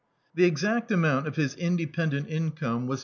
The exact amount of his independent incone was D,i.